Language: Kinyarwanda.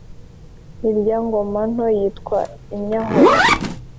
irya ngoma nto yitwa inyahura.